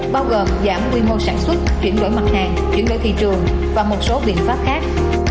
bao gồm giảm quy mô sản xuất chuyển đổi mặt hàng chuyển đổi thị trường và một số biện pháp khác